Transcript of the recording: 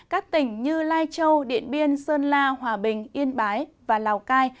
các tỉnh như lai châu điện biên sơn la hòa bình yên bái và lào cai